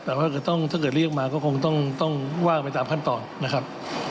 แต่ว่าถ้าเกิดเรียกมาก็คงต้องว่าไปตามขั้นตอนนะครับ